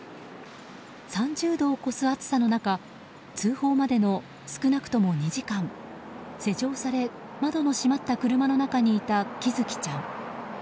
３０度を超す暑さの中通報までの少なくとも２時間施錠され、窓の閉まった車の中にいた喜寿生ちゃん。